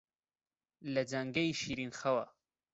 لە جەنگەی شیرن خەوا